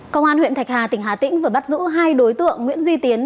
công an huyện thạch hà tỉnh hà tĩnh vừa bắt giữ hai đối tượng nguyễn duy tiến